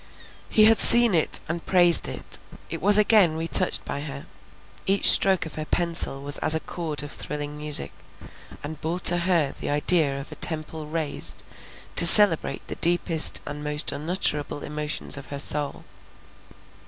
He had seen it, and praised it; it was again retouched by her, each stroke of her pencil was as a chord of thrilling music, and bore to her the idea of a temple raised to celebrate the deepest and most unutterable emotions of her soul.